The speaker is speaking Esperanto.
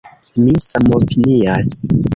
Mi samopinias.